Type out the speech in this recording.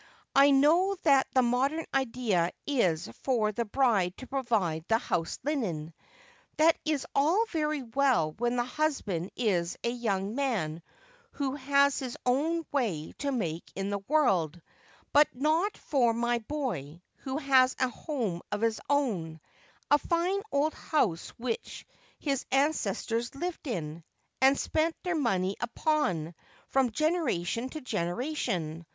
I know that the modern idea is for the bride to provide the house linen. That is all very well when the husband is a young man who has his own way to make in the world, but not for my boy, who has a home of his own — a fine old house which his ancestors have lived in, and spent their money upon, from generation to generation.